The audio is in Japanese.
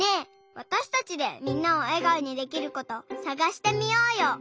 わたしたちでみんなをえがおにできることさがしてみようよ。